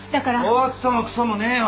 終わったもクソもねえよ。